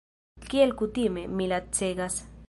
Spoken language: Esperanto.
Kiel kutime, mi lacegas.